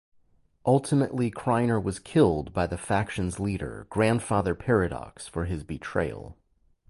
Ultimately, Kreiner was killed by the Faction's leader, Grandfather Paradox, for his betrayal.